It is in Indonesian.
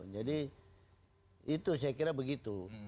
jadi itu saya kira begitu